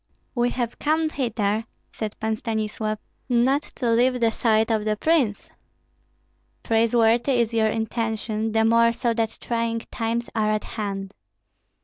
"We have come hither," said Pan Stanislav, "not to leave the side of the prince." "Praiseworthy is your intention, the more so that trying times are at hand."